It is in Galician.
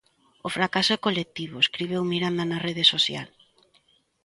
O fracaso é colectivo, escribiu Miranda na rede social.